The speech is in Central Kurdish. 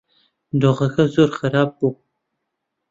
دۆخەکە زۆر خراپ بوو.